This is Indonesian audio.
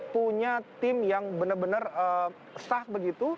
punya tim yang benar benar sah begitu